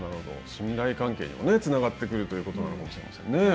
信頼関係にもつながってくるということなのかもしれませんね。